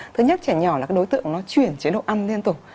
thứ nhất trẻ nhỏ là cái đối tượng nó chuyển chế độ ăn liên tục